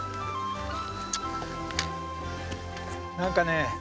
何かね。